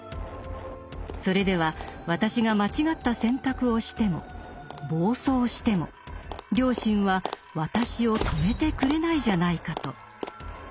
それでは「私」が間違った選択をしても暴走しても「良心」は「私」を止めてくれないじゃないかと。